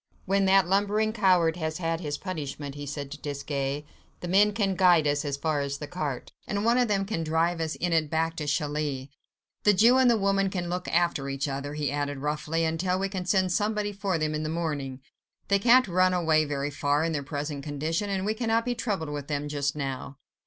"When that lumbering coward has had his punishment," he said to Desgas, "the men can guide us as far as the cart, and one of them can drive us in it back to Calais. The Jew and the woman can look after each other," he added roughly, "until we can send somebody for them in the morning. They can't run away very far, in their present condition, and we cannot be troubled with them just now."